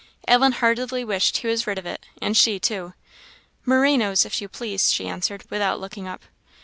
Ellen heartily wished he was rid of it, and she too. "Merinoes, if you please," she answered, without looking up.